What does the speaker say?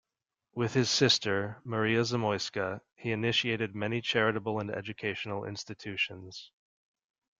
With his sister, Maria Zamoyska, he initiated many charitable and educational institutions.